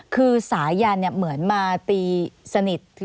คือสายันเหมือนมาตีสนิท